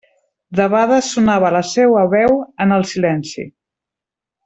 Debades sonava la seua veu en el silenci.